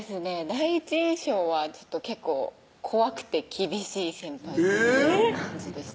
第一印象は結構怖くて厳しい先輩という感じでした